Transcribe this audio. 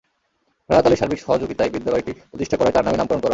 রাহাত আলীর সার্বিক সহযোগিতায় বিদ্যালয়টি প্রতিষ্ঠা করায় তাঁর নামে নামকরণ করা হয়।